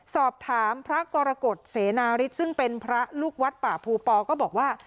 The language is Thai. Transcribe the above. สอบถามพระกรกฎเสนาริสซึ่งเป็นพระลูกวัดป่าภูปอก็บอกว่า